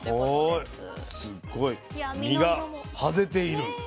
すっごい身が爆ぜている。